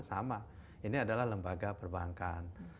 sama ini adalah lembaga perbankan